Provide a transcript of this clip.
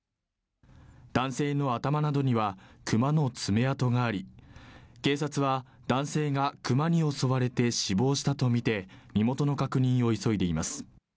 男性の頭などにはクマの爪痕があり警察は男性がクマに襲われて死亡したとみて身元の確認を急いでいます